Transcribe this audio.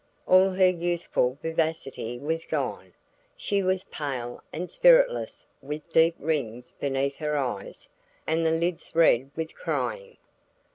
All her youthful vivacity was gone; she was pale and spiritless with deep rings beneath her eyes and the lids red with crying.